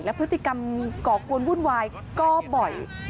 พฤติกรรมก่อกวนวุ่นวายก็บ่อย